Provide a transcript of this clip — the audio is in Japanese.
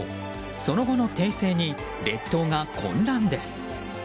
その後の訂正に列島が混乱です。